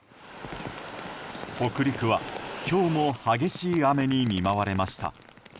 北陸は今日も激しい雨に見舞われました。